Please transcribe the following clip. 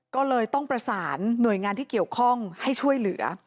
ก็เลยต้องประสานหน่วยงานที่เกี่ยวข้องให้ช่วยเหลือ